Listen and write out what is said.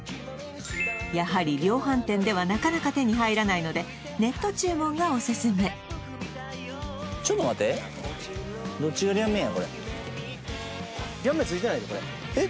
やはり量販店ではなかなか手に入らないのでネット注文がおすすめちょっと待ってえっ？